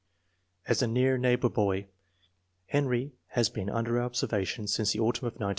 As a near neighbor boy, Henry has been under our observation since the autumn of 1910.